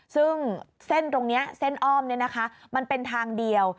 ซึ่งเส้นตรงนี้เส้นอ้อมมันเป็นทางเดียว